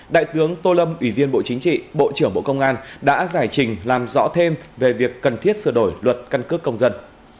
đại tướng tô lâm ủy viên bộ chính trị bộ trưởng bộ công an đã giải trình làm rõ thêm về việc cần thiết sửa đổi luật căn cước công dân